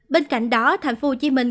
bên cạnh đó thành phố hồ chí minh